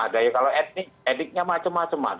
dari kalau etniknya macam macam